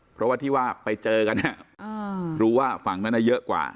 เพราะว่าที่ว่าไปเจอกันรู้ว่าฝั่งนั้นเยอะกว่า